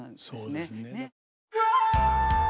そうですね。